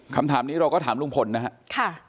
คำถามนี้เราก็ถามลุงพลนะครับ